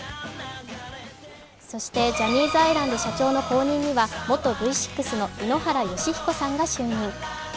そしてジャニーズアイランド社長の後任には元Ｖ６の井ノ原快彦さんが就任。